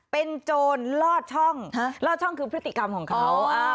เป็นโจรลอดช่องลอดช่องคือพฤติกรรมของเขา